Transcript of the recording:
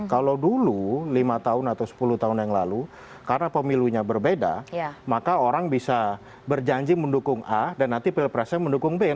kalau dulu lima tahun atau sepuluh tahun yang lalu karena pemilunya berbeda maka orang bisa berjanji mendukung a dan nanti pilpresnya mendukung b